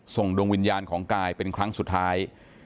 ส่งดวงวิญญาณของกายเป็นครั้งสุดท้าย